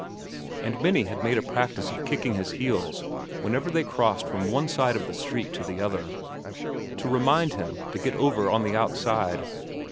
And Minnie had made a practice of kicking his heels, whenever they crossed from one side of the street to the other, to remind him to get over on the outside.